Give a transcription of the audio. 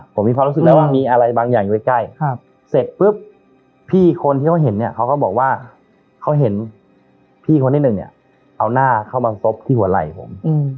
ผมมีความรู้สึกแล้วว่ามีอะไรบางอย่างอยู่ใกล้เสร็จปุ๊บพี่คนที่เขาเห็นเนี่ยเขาก็บอกว่าเขาเห็นพี่คนที่หนึ่งเนี่ยเอาหน้าเข้ามาซบที่หัวไหล่ผม